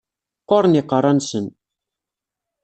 Qquren yiqerra-nsen.